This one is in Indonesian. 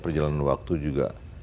perjalanan waktu juga